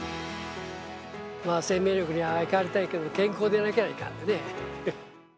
生命力にあやかりたいけど、健康でなきゃいかんでね。